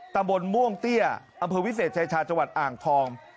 ตำบลม่วงเตี้ยอำเภอวิเศษชายชาจังหวัดอ่างทอง